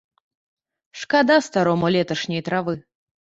Шкада старому леташняй травы.